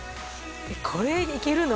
これいけるの？